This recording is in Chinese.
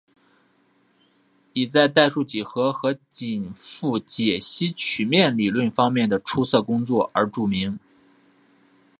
以在代数几何和紧复解析曲面理论方面的出色工作而著名。